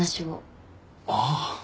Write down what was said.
ああ。